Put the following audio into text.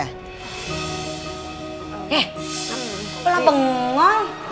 eh lu lah bengong